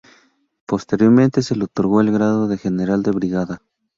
Posteriormente se le otorgó el grado de general de brigada.